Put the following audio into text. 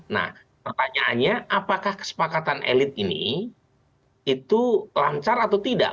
nah pertanyaannya apakah kesepakatan elit ini itu lancar atau tidak